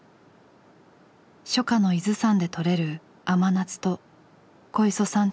初夏の伊豆山で採れる甘夏と小磯さん